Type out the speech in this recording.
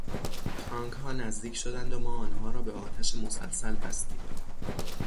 تانکها نزدیک شدند و ما آنها را به آتش مسلسل بستیم.